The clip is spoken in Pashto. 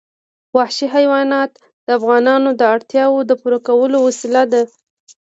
وحشي حیوانات د افغانانو د اړتیاوو د پوره کولو وسیله ده.